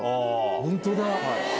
本当だ！